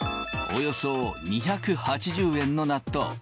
およそ２８０円の納豆。